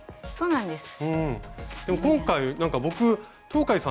そうなんですね！